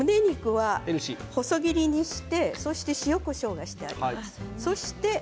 細切りにして塩、こしょうしてあります。